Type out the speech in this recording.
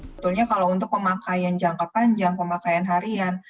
betulnya kalau untuk pemakaian jangka panjang pemakaian harian